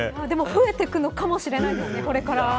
でも増えてくるかもしれないですね、これから。